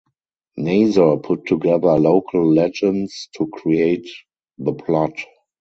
Nazor put together local legends to create the plot.